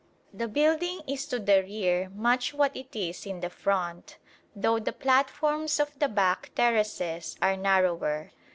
The building is to the rear much what it is in the front, though the platforms of the back terraces are narrower.